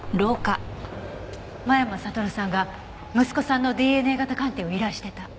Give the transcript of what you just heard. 間山悟さんが息子さんのＤＮＡ型鑑定を依頼してた。